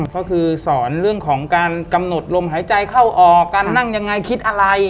ก็คือสอนเรื่องของการกำหนดลมหายใจเข้าออกการนั่งยังไงคิดอะไร